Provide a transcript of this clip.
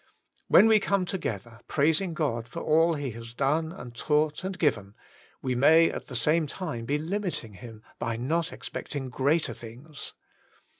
When we come together praising God for all He has done and taught and given, we may at the same time be limiting Him by not expecting greater things.